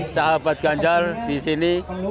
sahabat ganjar disini